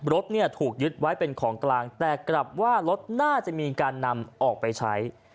รถเนี่ยถูกยึดไว้เป็นของกลางแต่กลับว่ารถน่าจะมีการนำออกไปใช้